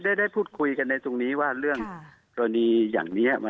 ได้พูดคุยกันในตรงนี้ว่าเรื่องกรณีอย่างนี้